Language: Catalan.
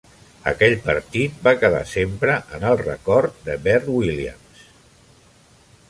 Aquell partit va quedar sempre en el record de Bert Williams.